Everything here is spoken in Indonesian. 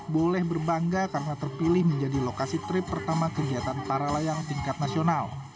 boleh berbangga karena terpilih menjadi lokasi trip pertama kegiatan para layang tingkat nasional